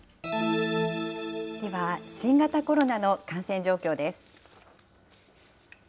では、新型コロナの感染状況です。